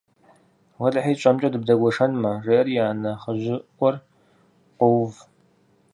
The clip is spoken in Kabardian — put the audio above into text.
- Уэлэхьи, тщӀэмкӀэ дыбдэгуэшэнмэ, - жеӀэри я нэхъыжьыӀуэр къоув.